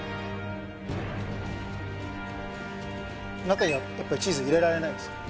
中にはやっぱりチーズ入れられないですか？